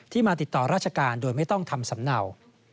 มาติดต่อราชการโดยไม่ต้องทำสำเนา